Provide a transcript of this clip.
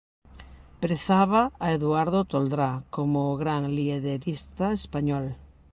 Prezaba a Eduardo Toldrá como o gran liederista español.